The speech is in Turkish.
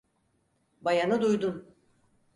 Bayanı duydun.